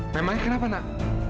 memangnya kenapa nak